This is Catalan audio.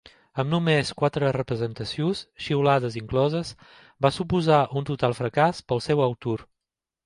Amb només quatre representacions -xiulades incloses- va suposar un total fracàs per al seu autor.